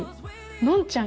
のんちゃん